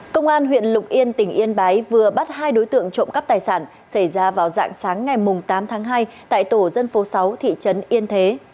công an huyện lục yên tỉnh yên bái vừa bắt hai đối tượng trộm cắp tài sản xảy ra vào dạng sáng ngày tám tháng hai tại tổ dân phố sáu thị trấn yên thế